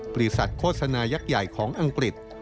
บริษัทโฆษณายักษ์ใหญ่ของอังกฤษ